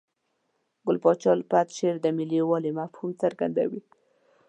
ګل پاچا الفت شعر د ملي یووالي مفهوم څرګندوي.